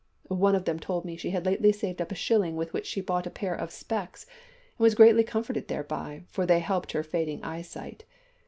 One of them told me she had lately saved up a shilling with which she bought a pair of `specs,' and was greatly comforted thereby, for they helped her fading eyesight.